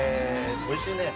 おいしいね。